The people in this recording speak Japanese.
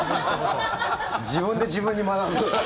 自分で自分に学ぶ。